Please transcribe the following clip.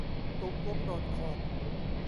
ตูบตัวโปรดของ